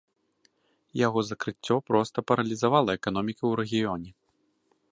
Яго закрыццё проста паралізавала эканоміку ў рэгіёне.